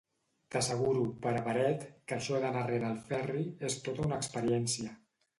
T'asseguro, pare paret, que això d'anar rere el Ferri és tota una experiència.